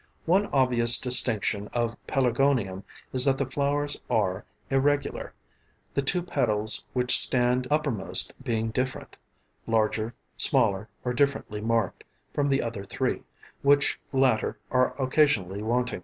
One obvious distinction of Pelargonium is that the flowers are irregular, the two petals which stand uppermost being different larger, smaller or differently marked from the other three, which latter are occasionally wanting.